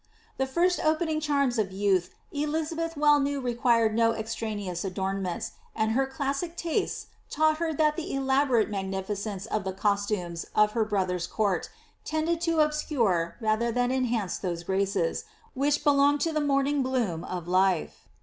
' The first opening charms of youth Elizabeth well knew required no extraneous adornments, and her classic tastes taught her that the elabo rate magnificence of the costumes of her brother's court, tended to ob scure, rather than enhance, those graces, which belonged to the morn ing bloom of life.